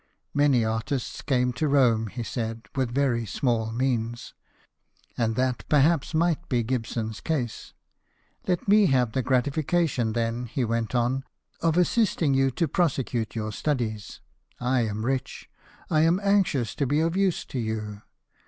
Many artists came to Rome, he said, with very small means, and that perhaps might be Gibson's case. " Let me have the gratification, then," he went on, "of assisting you to prosecute your studies. I am rich. I am anxious to be of use to you.